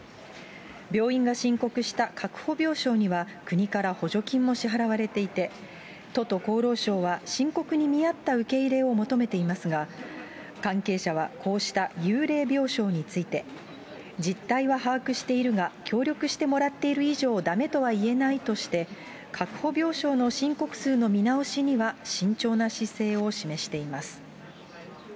病院が申告した確保病床には国から補助金も支払われていて、都と厚労省は申告に見合った受け入れを求めていますが、関係者はこうした幽霊病床について、実態は把握しているが、協力してもらっている以上、だめとは言えないとして、確保病床の申告数の見直しには慎重な姿勢を示しています。